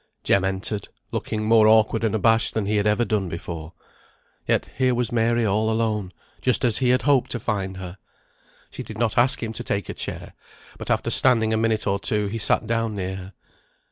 Jem entered, looking more awkward and abashed than he had ever done before. Yet here was Mary all alone, just as he had hoped to find her. She did not ask him to take a chair, but after standing a minute or two he sat down near her.